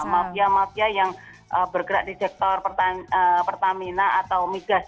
mafia mafia yang bergerak di sektor pertamina atau migas